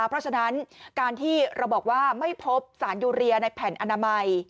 เพราะฉะนั้นการที่เราบอกว่าไม่พบสารยูเรียในแผ่นอนามัย